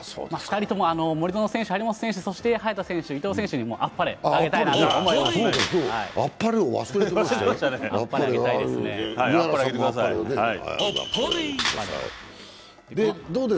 森薗選手、張本選手、早田選手、伊藤選手にあっぱれあげたいと思います。